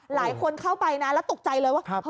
หลายคนเข้าไปนะแล้วตกใจเลยว่า